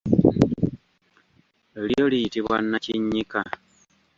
Lyo liyitibwa nnakinnyika.